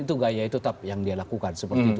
itu gaya tetap yang dia lakukan